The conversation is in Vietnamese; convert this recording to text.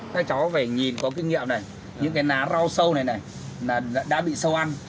các cháu phải nhìn có kinh nghiệm này những cái ná rau sâu này này đã bị sâu ăn